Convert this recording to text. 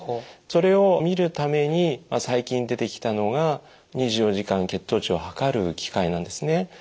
それを見るために最近出てきたのが２４時間血糖値を測る機械なんですね。